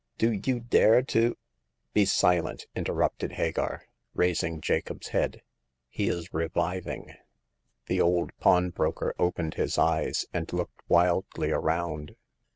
Do you dare to "Be silent !'' interrupted Hagar, raising Jacob's head ; "he is reviving." The old pawnbroker opened his eyes and looked wildly around.